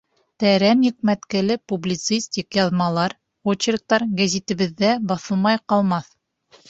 Тәрән йөкмәткеле публицистик яҙмалар, очерктар гәзитебеҙҙә баҫылмай ҡалмаҫ.